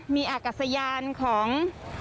มีอากาศยานของ